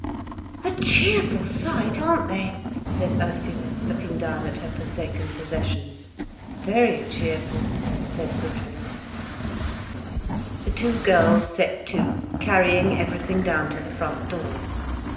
"A cheerful sight, aren't they?" said Ursula, looking down at her forsaken possessions. "Very cheerful," said Gudrun. The two girls set to, carrying everything down to the front door.